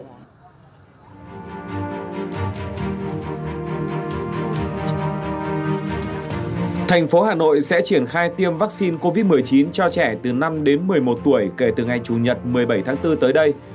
thành phố hà nội sẽ triển khai tiêm vaccine covid một mươi chín cho trẻ từ năm đến một mươi một tuổi kể từ ngày chủ nhật một mươi bảy tháng bốn tới đây